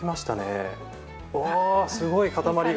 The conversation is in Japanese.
おおすごい塊が。